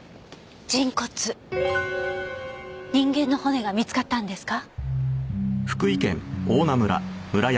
人間の骨が見つかったんですか？